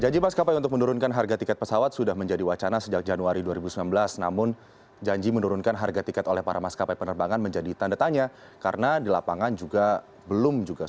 janji maskapai untuk menurunkan harga tiket pesawat sudah menjadi wacana sejak januari dua ribu sembilan belas namun janji menurunkan harga tiket oleh para maskapai penerbangan menjadi tanda tanya karena di lapangan juga belum juga selesai